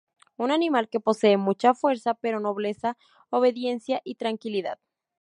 Un animal que posee mucha fuerza, pero nobleza, obediencia y tranquilidad.